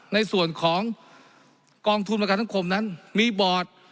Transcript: ในส่วนของกองทุนประกันสังคมนั้นมีบอร์ด